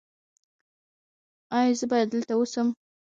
ایا زه باید دلته اوسم؟